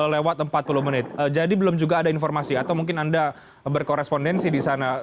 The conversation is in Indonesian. lewat empat puluh menit jadi belum juga ada informasi atau mungkin anda berkorespondensi di sana